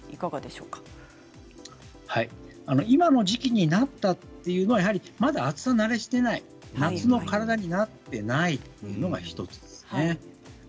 今の時期になったというのはやはりまだ暑さ慣れをしていない、夏の体になっていないのが１つですね。